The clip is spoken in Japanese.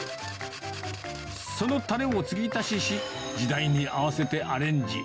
そのたれをつぎ足しし、時代に合わせてアレンジ。